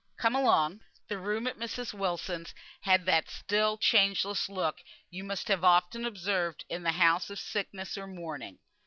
Come along." The room at Mrs. Wilson's had that still, changeless look you must have often observed in the house of sickness or mourning.